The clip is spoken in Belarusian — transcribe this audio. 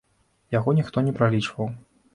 Яго ніхто не пралічваў.